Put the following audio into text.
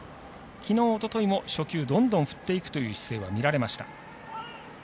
きのう、おとといも初球どんどん振っていくという姿勢は見られました。